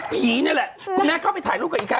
นี่แหละคุณแม่เข้าไปถ่ายรูปกับอีกครั้ง